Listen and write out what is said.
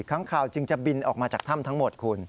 ค้างข่าวจึงจะบินออกมาจากถ้ำทั้งหมดคุณ